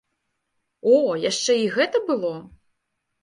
О, яшчэ і гэта было!